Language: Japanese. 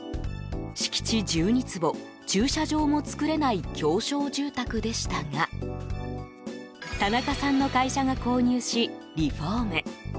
敷地１２坪、駐車場も作れない狭小住宅でしたが田中さんの会社が購入しリフォーム。